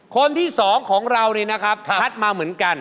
คนที่สองของเราพัดมาเหมือนกัน